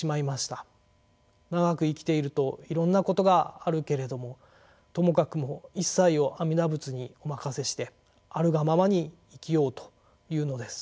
長く生きているといろんなことがあるけれどもともかくも一切を阿弥陀仏にお任せしてあるがままに生きようというのです。